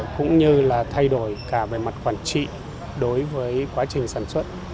cũng như là thay đổi cả về mặt quản trị đối với quá trình sản xuất